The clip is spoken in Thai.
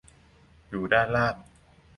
อยู่ด้านล่าง